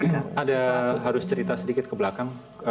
jadi karena ada harus cerita sedikit ke belakang